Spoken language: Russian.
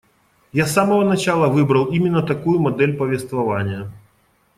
Я с самого начала выбрал именно такую модель повествования.